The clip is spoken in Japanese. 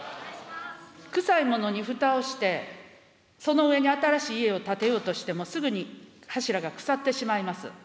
臭いものにふたをして、その上に新しい家を建てようとしても、すぐに柱が腐ってしまいます。